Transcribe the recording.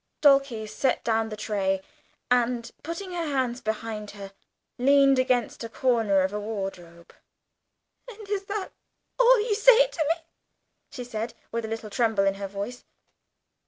Dulcie set down the tray, and, putting her hands behind her, leaned against a corner of a wardrobe. "And is that all you say to me!" she said, with a little tremble in her voice.